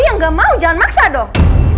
yang gak mau jangan maksa dong